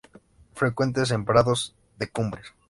Frecuente en prados de cumbres.